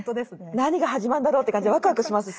何が始まるんだろうって感じでワクワクします